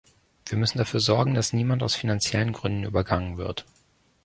Wir müssen dafür sorgen, dass niemand aus finanziellen Gründen übergangen wird.